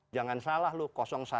jangan salah loh